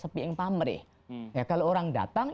sepiang pamrih kalau orang datang